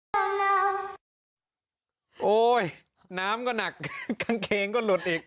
โอ้โหน้ำก็หนักกางเกงก็หลุดอีก